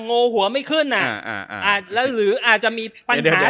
งงหัวไม่ขึ้นหรืออาจจะมีปัญหา